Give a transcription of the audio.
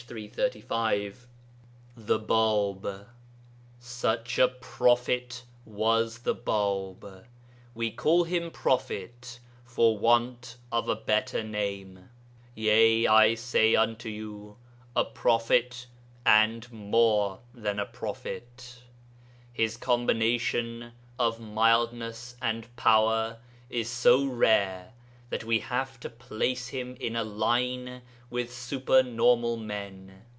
335.] THE BĀB Such a prophet was the Bāb; we call him 'prophet' for want of a better name; 'yea, I say unto you, a prophet and more than a prophet.' His combination of mildness and power is so rare that we have to place him in a line with super normal men.